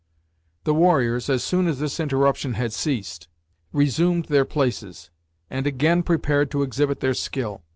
The warriors, as soon as this interruption had ceased, resumed their places, and again prepared to exhibit their skill.